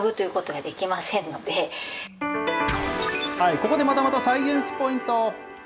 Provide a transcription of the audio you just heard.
ここでまたまたサイエンスポイント。